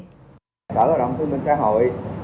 sở lao động thương binh và xã hội